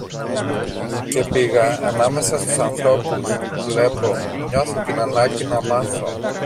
και πήγα ανάμεσα στους ανθρώπους, βλέπω, νιώθω την ανάγκη να μάθω.